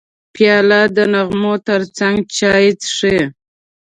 پیاله د نغمو ترڅنګ چای څښي.